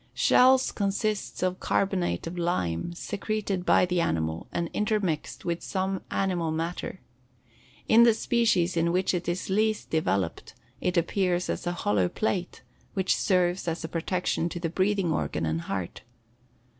Shells consist of carbonate of lime secreted by the animal and intermixed with some animal matter. In the species in which it is least developed it appears as a hollow plate, which serves as a protection to the breathing organ and heart.